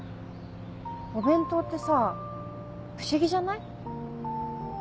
お弁当ってさ不思議じゃない？